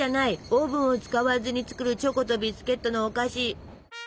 オーブンを使わずに作るチョコとビスケットのお菓子。